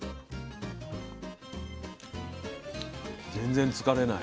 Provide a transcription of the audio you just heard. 全然つかれない。